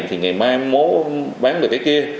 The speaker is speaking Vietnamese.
thì ngày mai mỗi bán được cái kia